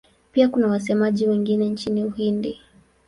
Pia kuna wasemaji wengine nchini Uhindi.